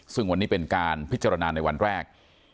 ซึ่งวันนี้เป็นการพิจารณาในวันแรก